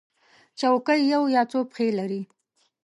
چوکۍ یو یا څو پښې لري.